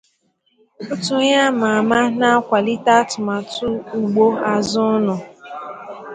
otu onye a mà àmá na-akwàlite atụmatụ Ugbo Azụ Ụnọ